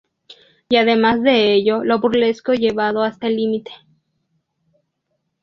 Y además de ello lo burlesco llevado hasta el límite.